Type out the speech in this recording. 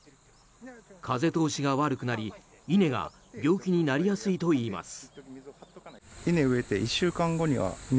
風通しが悪くなり、稲が病気になりやすいといいます。